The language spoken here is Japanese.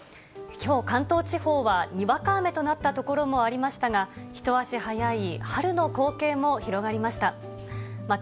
きょう、関東地方はにわか雨となった所もありましたが、一足早い春の光景も広がりました。